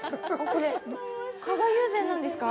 これ加賀友禅なんですか？